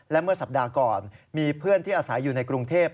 และเมื่อสัปดาห์ก่อนมีเพื่อนที่อาศัยอยู่ในกรุงเทพ